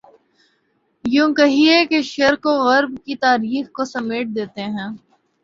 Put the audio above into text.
یوں کہیے کہ شرق و غرب کی تاریخ کو سمیٹ دیتے ہیں۔